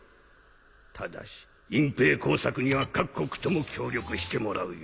ただし隠ぺい工作には各国とも協力してもらうよ。